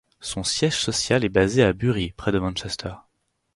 Son siège social est basé à Bury près de Manchester.